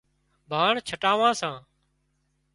ڀاڻ ڇٽاوان سان